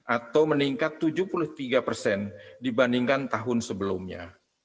atau meningkat tujuh puluh tiga persen dibandingkan tahun sebelumnya